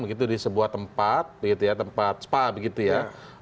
begitu di sebuah tempat tempat spa begitu ya